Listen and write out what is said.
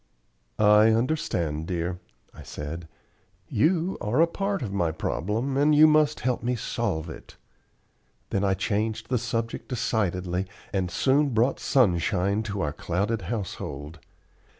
"I understand, dear," I said. "You are a part of my problem, and you must help me solve it." Then I changed the subject decidedly, and soon brought sunshine to our clouded household.